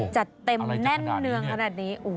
จัดเต็มแน่นเนืองขนาดนี้